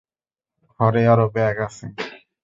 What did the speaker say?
ঘরে আরো ব্যাগ আছে।